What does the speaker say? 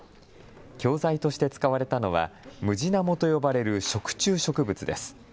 教材として使われたのはムジナモと呼ばれる食虫植物です。